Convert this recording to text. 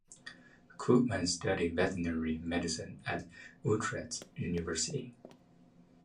Koopmans studied veterinary medicine at Utrecht University.